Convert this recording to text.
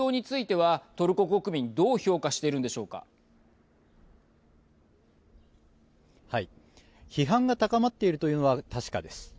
はい、批判が高まっているというのは確かです。